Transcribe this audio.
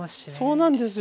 そうなんですよ。